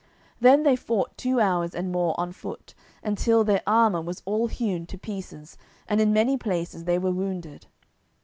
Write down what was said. Then they fought two hours and more on foot, until their armour was all hewn to pieces, and in many places they were wounded.